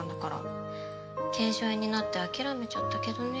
腱鞘炎になって諦めちゃったけどね。